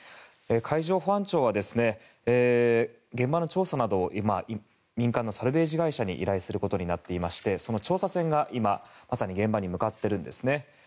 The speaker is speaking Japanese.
海上保安庁は現場の調査などを今、民間のサルベージ会社に依頼することになっていましてその調査船が今まさに現場に向かっているんですね。